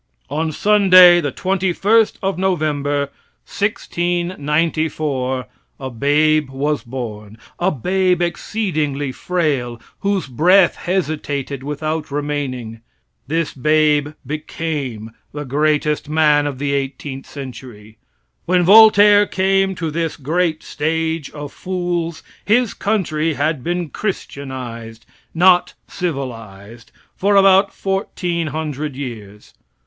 On Sunday, the 21st of November, 1694, a babe was born; a babe exceedingly frail, whose breath hesitated about remaining. This babe became the greatest man of the eighteenth century. When Voltaire came to this "great stage of fools," his country had been christianized not civilized for about fourteen hundred years.